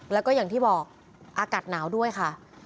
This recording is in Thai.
แล้วก็อย่างที่บอกอากาศหนาวด้วยค่ะ